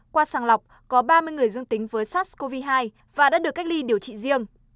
qua sàng lọc có ba mươi người dương tính với sars cov hai và đã được cách ly điều trị riêng